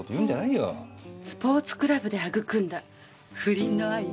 「スポーツクラブで育んだ不倫の愛」？